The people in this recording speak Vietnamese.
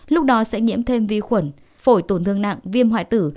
lúc đó sẽ nhiễm thêm vi khuẩn phổi tổn thương nặng viêm hoại tử